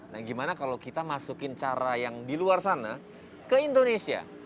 nah gimana kalau kita masukin cara yang di luar sana ke indonesia